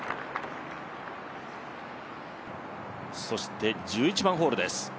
そして１１番ホールです。